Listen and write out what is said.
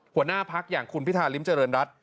หัวหน้าพักอย่างคุณพิธาริมเจริญรัฐ